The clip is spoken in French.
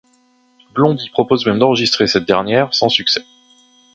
Blondie propose même d'enregistrer cette dernière, sans succès.